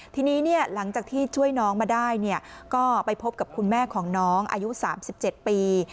ทีนี้หลังจากที่ช่วยน้องมาได้ก็ไปพบกับคุณแม่ของน้องอายุ๓๗ปี